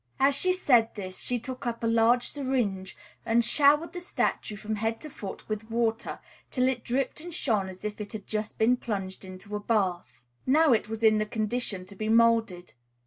As she said this, she took up a large syringe and showered the statue from head to foot with water, till it dripped and shone as if it had been just plunged into a bath. Now it was in condition to be moulded.